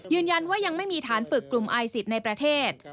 ยืนยันว่ายังไม่มีฐานฝึกกลุ่มไอซิสในประเทศ